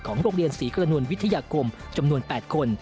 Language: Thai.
โรงเรียนศรีกระนวลวิทยาคมจำนวน๘คน